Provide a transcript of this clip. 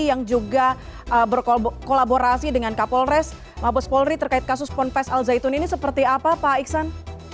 yang juga berkolaborasi dengan kapolres mabes polri terkait kasus ponpes al zaitun ini seperti apa pak iksan